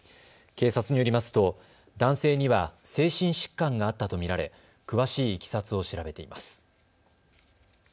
警察によりますと、男性には精神疾患があったと見られ詳しいいきさつを調べています。